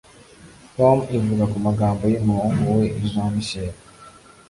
com ivuga ku magambo y’umuhungu we Jean Michel